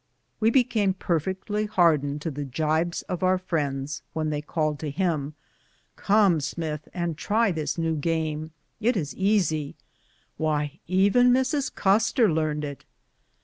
We became perfectly hardened to the gibes of our friends when they called to him, " Come, Smith, and try this new game ; it is easy. Why, even Mrs. Custer learned it